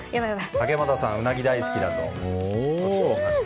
竹俣さん、ウナギ大好きだと聞きました。